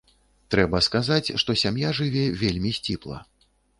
Трэба сказаць, што сям'я жыве вельмі сціпла.